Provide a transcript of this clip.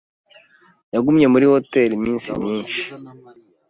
Yagumye muri hoteri iminsi myinshi.